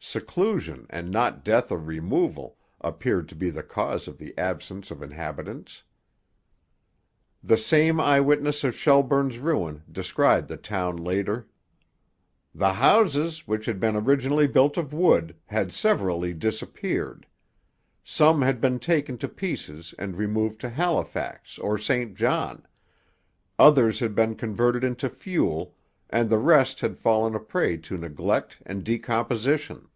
Seclusion, and not death or removal, appeared to be the cause of the absence of inhabitants.' The same eye witness of Shelburne's ruin described the town later: The houses, which had been originally built of wood, had severally disappeared. Some had been taken to pieces and removed to Halifax or St John; others had been converted into fuel, and the rest had fallen a prey to neglect and decomposition.